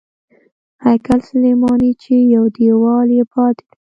هیکل سلیماني چې یو دیوال یې پاتې دی.